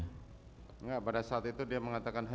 tidak pada saat itu dia mengatakan